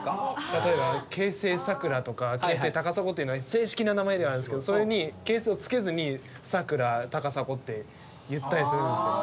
例えば京成佐倉とか京成高砂っていうのは正式な名前ではあるんですけどそれに京成をつけずに「佐倉」「高砂」って言ったりするんですよ。